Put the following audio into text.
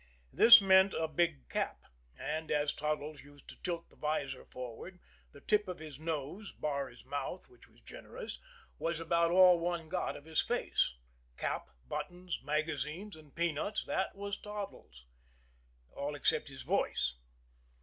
This meant a big cap, and, as Toddles used to tilt the vizor forward, the tip of his nose, bar his mouth which was generous, was about all one got of his face. Cap, buttons, magazines and peanuts, that was Toddles all except his voice.